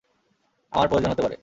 আমার প্রয়োজন হতে পারে।